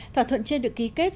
thỏa thuận trên được ký kết